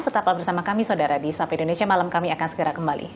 tetap bersama kami di sampai indonesia malam kami akan segera kembali